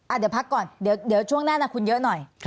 อ่ะเดี๋ยวพักก่อนช่วงหน้าน่ะคุณเยอะหน่อย